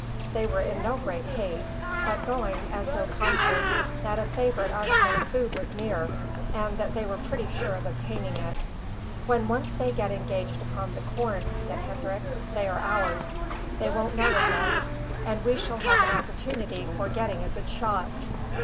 They were in no great haste, but going as though conscious that a favourite article of food was near, and that they were pretty sure of obtaining it. "When once they get engaged upon the corn," said Hendrik, "they are ours. They won't notice us, and we shall have an opportunity for getting a good shot."